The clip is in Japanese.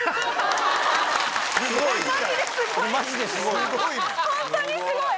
マジですごいホントにすごい。